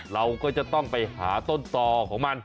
เราก็จะต้องไปหาต้นต่อของมัน